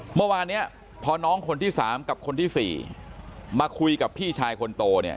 เมื่อวานเนี่ยพอน้องคนที่๓กับคนที่๔มาคุยกับพี่ชายคนโตเนี่ย